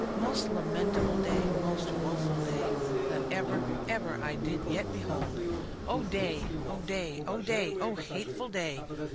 Most lamentable day; most woful day, That ever, ever, I did yet behold! O day! O day! O day! O hateful day!